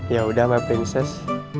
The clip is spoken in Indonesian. ya udah mbak prinses